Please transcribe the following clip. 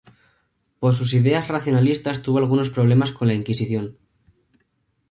Por sus ideas racionalistas tuvo algunos problemas con la Inquisición.